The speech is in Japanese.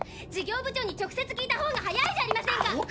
事業部長に直接聞いた方が早いじゃありませんか。